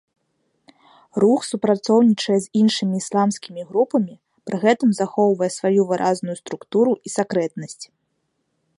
Рух супрацоўнічае з іншымі ісламскімі групамі, пры гэтым захоўвае сваю выразную структуру і сакрэтнасць.